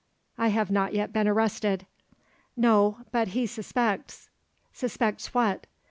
"I have not yet been arrested." "No, but he suspects." "Suspects what?"